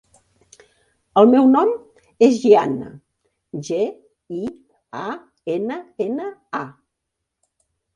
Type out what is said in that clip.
El meu nom és Gianna: ge, i, a, ena, ena, a.